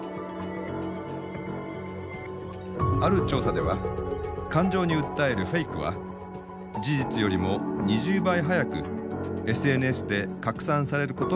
ある調査では感情に訴えるフェイクは事実よりも２０倍速くＳＮＳで拡散されることが分かっています。